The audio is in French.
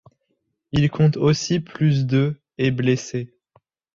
Il compte aussi plus de et blessés.